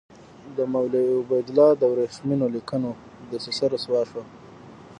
د مولوي عبیدالله د ورېښمینو لیکونو دسیسه رسوا شوه.